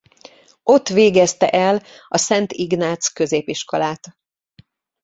Ott végezte el a Szent Ignác középiskolát.